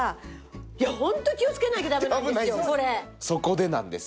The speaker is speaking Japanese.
そこでなんです。